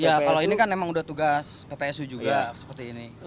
ya kalau ini kan emang udah tugas ppsu juga seperti ini